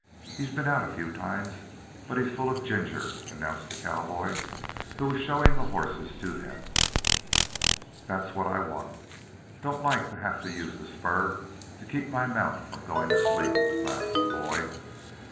He's been out a few times. But he's full of ginger," announced the cowboy who was showing the horses to them. "That's what I want. Don't like to have to use the spur to keep my mount from going to sleep," laughed the boy.